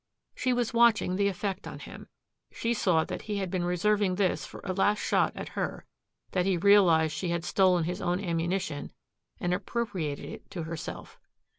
She was watching the effect on him. She saw that he had been reserving this for a last shot at her, that he realized she had stolen his own ammunition and appropriated it to herself.